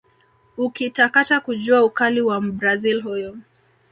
Ukitakata kujua ukali wa Mbrazil huyu